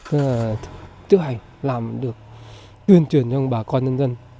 rất là chúc hạnh làm được tuyên truyền cho bà con nhân dân